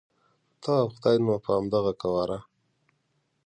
ته او خدای نو په همدغه قواره.